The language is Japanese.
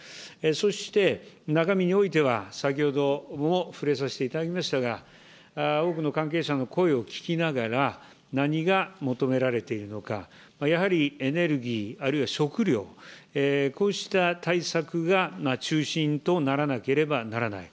そして中身においては、先ほども触れされていただきましたが、多くの関係者の声を聞きながら、何が求められているのか、やはりエネルギー、あるいは食料、こうした対策が中心とならなければならない。